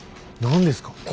何ですか？